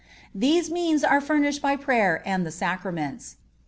These means are furnished by prayer and the Sacraments.